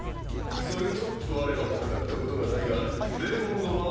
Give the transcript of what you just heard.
それとわれは戦ったことがないがデーモンの魔王